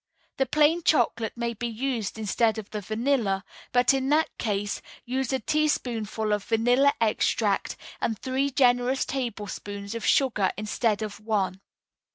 The plain chocolate may be used instead of the vanilla, but in that case use a teaspoonful of vanilla extract and three generous tablespoonfuls of sugar instead of one.